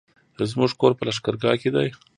زموږ کور په لښکرګاه کی دی